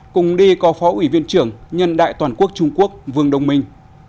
cùng đi có phó ủy viên trưởng nhân đại toàn quốc trung quốc vương đông minh